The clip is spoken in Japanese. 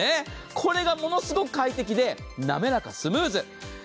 これがものすごく快適でなめらかスムーズ。